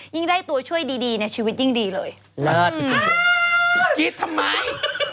ยังได้ตัวช่วยดีในชีวิตยิ่งดีเลย